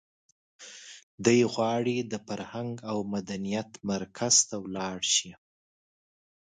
دی غواړي د فرهنګ او مدنیت مرکز ته ولاړ شي.